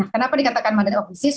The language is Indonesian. kenapa dikatakan mother of diseases